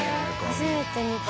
初めて見た。